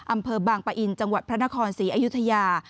อำเภอบางปะอินจังหวัดพระนครศรีอยุธยา